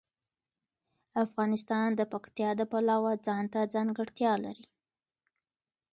افغانستان د پکتیا د پلوه ځانته ځانګړتیا لري.